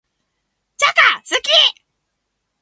チョコ好き。